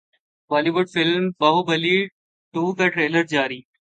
Bali would film Baahubali two کا trailer جاری